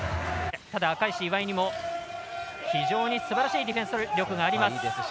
赤石、岩井にもすばらしいディフェンス力があります。